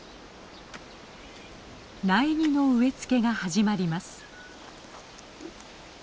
苗木の植え付けが始まります。